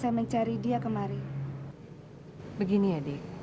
bayar pake barangnya